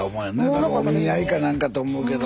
何かこうお見合いか何かと思うけど。